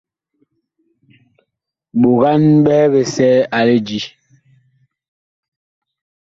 Ɓogan ɓɛhɛ bisɛ a lidí.